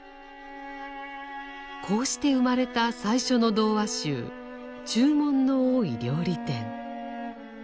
こうして生まれた最初の童話集「注文の多い料理店」。